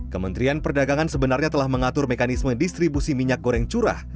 kementerian perdagangan sebenarnya telah mengatur mekanisme distribusi minyak goreng curah